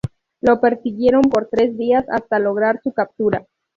Lo persiguieron por tres días hasta lograr su captura.